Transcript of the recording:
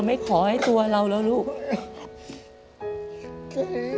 ผมดื่มเทครับยายท่านแล้วเขาคิดว่ามันคิดว่ายายมันจะมา